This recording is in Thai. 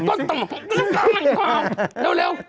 ก้มต่ำหลายก้มเร็วเร็ว